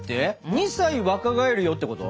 ２歳若返るよってこと？